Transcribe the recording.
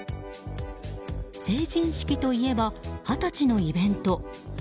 成人式といえば二十歳のイベント。